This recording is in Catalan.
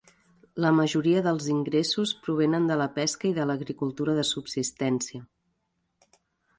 La majoria dels ingressos provenen de la pesca i de l'agricultura de subsistència.